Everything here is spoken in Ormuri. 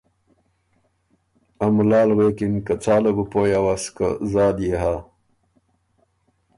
ا ملال غوېکِن که ”څاله بُو پویٛ اوَس که زال يې هۀ۔؟“